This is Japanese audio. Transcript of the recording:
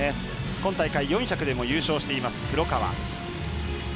今大会、４００でも優勝しています、黒川。